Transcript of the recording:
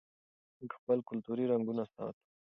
موږ خپل کلتوري رنګونه ساتو.